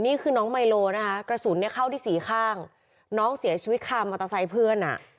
นี่คือน้องไมโลนะคะกระสุนเนี่ยเข้าที่สี่ข้างน้องเสียชีวิตคามอเตอร์ไซค์เพื่อนอ่ะ